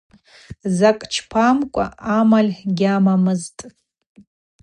Закӏ чпамкӏва амаль гьамамызтӏ.